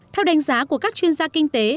theo đánh giá của các chuyên gia kinh tế